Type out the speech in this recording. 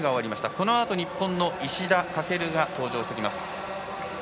このあと日本の石田駆が登場してきます。